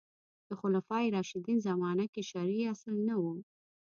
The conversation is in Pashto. د خلفای راشدین زمانه کې شرعي اصل نه و